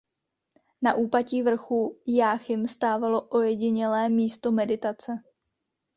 Na úpatí vrchu Jáchym stávalo ojedinělé místo meditace.